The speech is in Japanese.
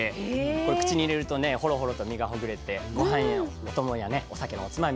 これ口に入れるとねほろほろと身がほぐれてごはんのお供やねお酒のおつまみにも合いそうです。